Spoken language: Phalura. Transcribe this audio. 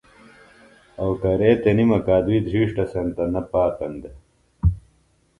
او کرے تنِم اکادُئی دھرِیݜٹہ سینتہ نہ پاتن دےۡ